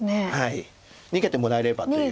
逃げてもらえればという。